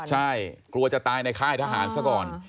ใช่กลัวจะตายในค่ายทหารซะก่อน